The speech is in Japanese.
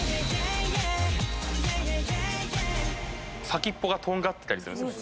先っぽがとんがってたりするんです。